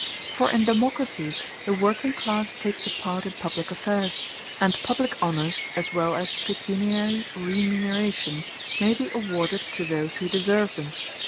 For in democracies the working class takes a part in public affairs; and public honors, as well as pecuniary remuneration, may be awarded to those who deserve them.